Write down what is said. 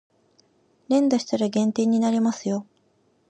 連打したら減点になりますよ